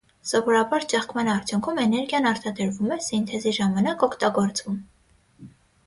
Սովորաբար ճեղքման արդյունքում էներգիան արտադրվում է, սինթեզի ժամանակ՝ օգտագործվում։